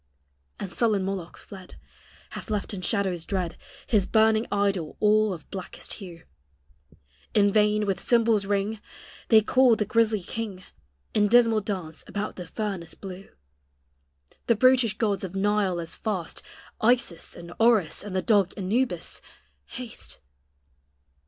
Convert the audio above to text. And sullen Moloch fled, Hath left in shadows dread His burning idol all of blackest hue; In vain, with cymbal's ring, They call the grisly king, In dismal dance about the furnace blue; The brutish gods of Nile as fast Isis and Orus, and the dog Anubis haste.